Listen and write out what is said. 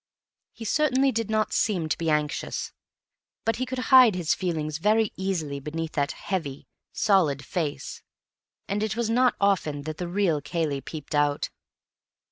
He certainly did not seem to be anxious, but he could hide his feelings very easily beneath that heavy, solid face, and it was not often that the real Cayley peeped out.